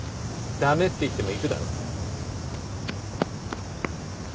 駄目って言っても行くだろ。